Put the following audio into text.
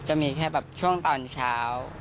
จะมีแค่แบบช่วงตอนเช้า